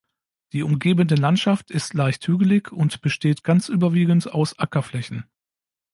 Die umgebende Landschaft ist leicht hügelig und besteht ganz überwiegend aus Ackerflächen.